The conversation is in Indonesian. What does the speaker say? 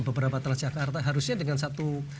beberapa telah jakarta harusnya dengan satu